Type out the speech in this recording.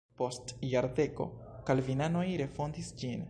Post jarcento kalvinanoj refondis ĝin.